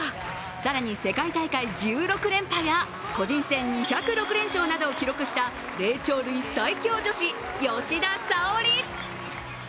更に世界大会１６連覇や個人戦２０６連勝などを記録した霊長類最強女子・吉田沙保里。